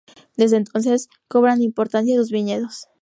Desde entonces, cobran importancia sus viñedos.